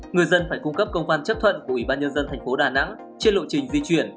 người dân phải cung cấp công văn chấp thuận của ủy ban nhân dân thành phố đà nẵng trên lộ trình di chuyển